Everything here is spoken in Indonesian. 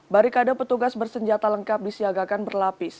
barikade petugas bersenjata lengkap disiagakan berlapis